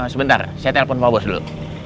sebentar saya telpon pak bos dulu